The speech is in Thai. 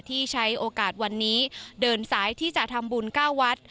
ที่ใช้โอกาสวันนี้เดินสายที่จะทำบุญ๙วัด